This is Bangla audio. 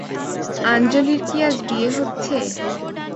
আঞ্জলির কি আজ বিয়ে হচ্ছে?